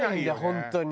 本当に。